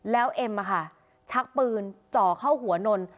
แล้วเอ็มชักปืนจ่อเข้าหัวนนท์